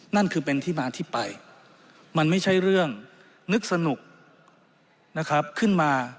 นั่นคือเป็นที่มาที่ไปมันไม่ใช่เรื่องนึกสนุกนะครับขึ้นมา